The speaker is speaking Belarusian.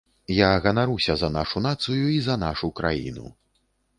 Я ганаруся за нашу нацыю і за нашу краіну.